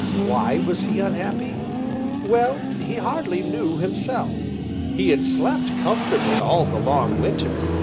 Why was he unhappy? Well, he hardly knew himself. He had slept comfortably all the long winter.